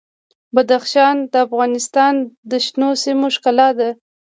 بدخشان د افغانستان د شنو سیمو ښکلا ده.